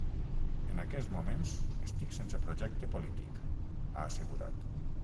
En aquests moments, estic sense projecte polític, ha assegurat.